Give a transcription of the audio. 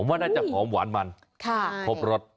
ผมว่าน่าจะหอมหวานมันพบรสค่ะค่ะ